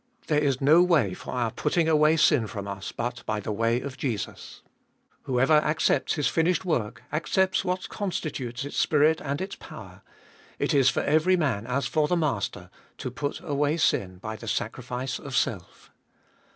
There is no way for our putting away sin from us but the way of Jesus ; whoever accepts His finished work accepts what constitutes its Spirit and its power ; it is for every man as for the Master — to put away sin by the sacri fice of self.